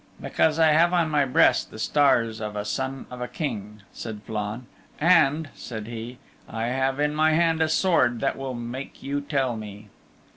"Because I have on my breast the stars of a son of a King," said Flann, "and," said he, "I have in my hand a sword that will make you tell me."